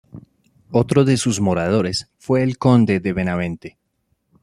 Otro de sus moradores fue el conde de Benavente.